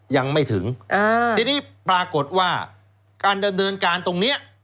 ยังไม่ถึงอ่าทีนี้ปรากฏว่าการดำเนินการตรงเนี้ย